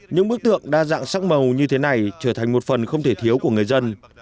những bức tượng đa dạng sắc màu như thế này trở thành một phần không thể thiếu của người dân